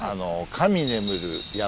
神眠る山？